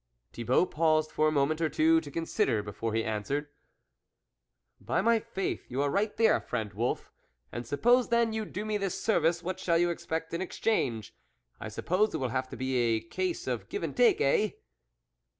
Thibault paused for a minute or two to consider before he answered :" By my faith, you are right there, friend wolf, and suppose, then, you do me this service, what shall you expect in ex change ? I suppose it will have to be a case of give and take, eh